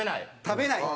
食べない。